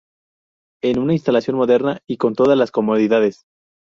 Es una instalación moderna y con todas las comodidades.